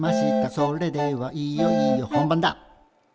「それではいよいよ本番だ」